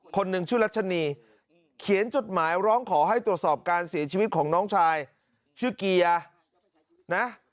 คนหนึ่งชื่อรัชนีเขียนจดหมายร้องขอให้ตรวจสอบการเสียชีวิตของน้องชายชื่อเกียร์นะ